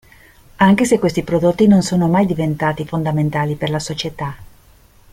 Anche se questi prodotti non sono mai diventati fondamentali per la società.